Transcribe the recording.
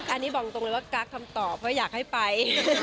อันนี้บอกตรงเลยว่ากั๊กทำต่อเพราะอยากให้ไป